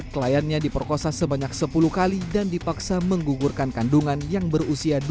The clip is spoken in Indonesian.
kliennya diperkosa sebanyak sepuluh kali dan dipaksa menggugurkan kandungan yang berusia